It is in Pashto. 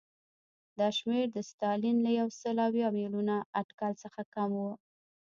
دا شمېر د ستالین له یو سل اویا میلیونه اټکل څخه کم و